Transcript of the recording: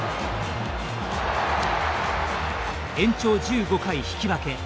延長１５回引き分け。